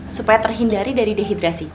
supaya terhindari dari dehidrasi